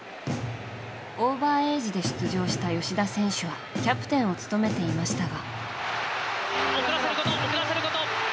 オーバーエージで出場した吉田選手はキャプテンを務めていましたが。